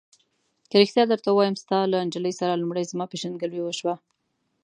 که رښتیا درته ووایم، ستا له نجلۍ سره لومړی زما پېژندګلوي وشوه.